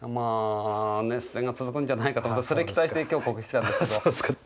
熱戦が続くんじゃないかと思ってそれ期待して今日ここ来たんですけど。